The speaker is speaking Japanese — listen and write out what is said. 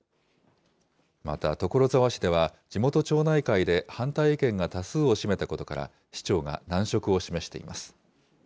また所沢市では、地元町内会で反対意見が多数を占めたことから、市長が難色を示しています。